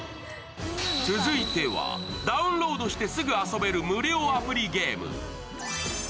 続いてはダウンロードしてすぐ遊べる無料アプリゲーム。